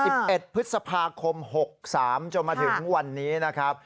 ใช่ค่ะ๑๑พฤษภาคม๖๓จนมาถึงวันนี้นะครับ